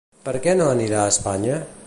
Per què no anirà a Espanya?